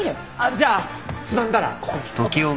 じゃあつまんだらここに。ＯＫ。